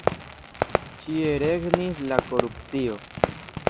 Ĉie regnis la korupcio.